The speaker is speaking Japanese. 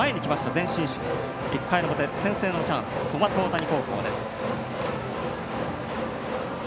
前進守備、１回の表先制のチャンスは小松大谷高校。